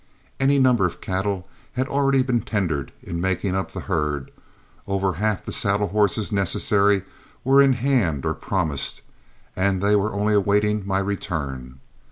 Any number of cattle had already been tendered in making up the herd, over half the saddle horses necessary were in hand or promised, and they were only awaiting my return.